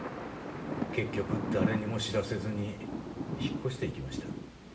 結局誰にも知らせずに引っ越していきました。